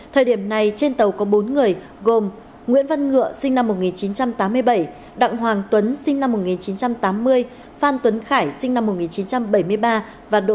thời điểm này trên tàu có bốn người gồm nguyễn văn ngựa sinh năm một nghìn chín trăm tám mươi bảy đặng hoàng tuấn sinh năm một nghìn chín trăm tám mươi phan tuấn khải sinh năm một nghìn chín trăm bảy mươi ba và đỗ